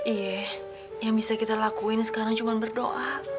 iya yang bisa kita lakuin sekarang cuma berdoa